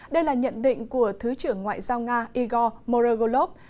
đây là nhận định của thứ trưởng ngoại giao nga igor morogolov